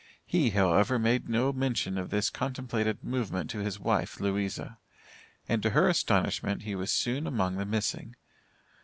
He, however, made no mention of this contemplated movement to his wife, Louisa; and, to her astonishment, he was soon among the missing.